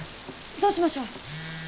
どうしましょう？